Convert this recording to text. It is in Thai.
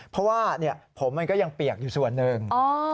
เพราะว่าผมมันก็ยังเปียกอยู่ส่วนหนึ่ง